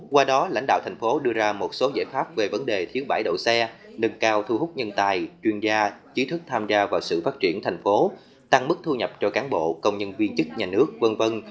qua đó lãnh đạo thành phố đưa ra một số giải pháp về vấn đề thiếu bãi đậu xe nâng cao thu hút nhân tài chuyên gia trí thức tham gia vào sự phát triển thành phố tăng mức thu nhập cho cán bộ công nhân viên chức nhà nước v v